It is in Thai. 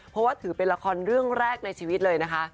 เพราะว่าถือเป็นละครเรื่องแรกในชีวิตเลยนะคะ